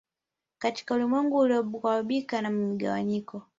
Katika ulimwengu uliogubikwa na migawanyiko